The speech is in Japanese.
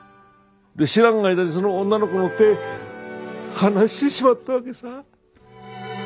知らん間にその女の子の手離してしまったわけさ。